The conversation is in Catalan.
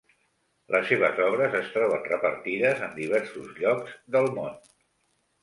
Les seves obres es troben repartides en diversos llocs del món.